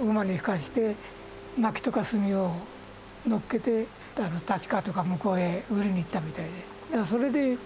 馬にひかせて、まきとか炭をのっけて、たちかわとか向こうへ売りに行ったみたいで。